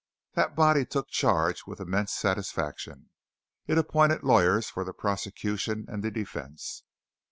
That body took charge with immense satisfaction. It appointed lawyers for the prosecution and the defence.